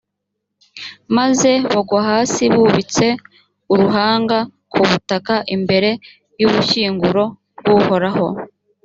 maze bagwa hasi bubitse uruhanga ku butaka imbere y’ubushyinguro bw’uhoraho.